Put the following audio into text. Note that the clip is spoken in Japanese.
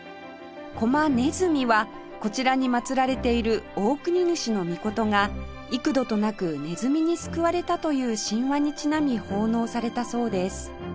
狛ネズミはこちらに祭られている大国主命が幾度となくネズミに救われたという神話にちなみ奉納されたそうです